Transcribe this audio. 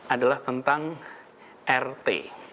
adalah tentang rt